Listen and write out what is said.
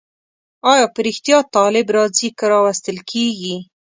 آیا په رښتیا طالب راځي که راوستل کېږي؟